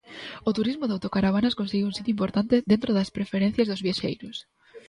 O turismo de autocaravanas conseguiu un sitio importante dentro das preferencias dos viaxeiros.